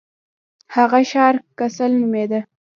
هغه ښار کسل نومیده.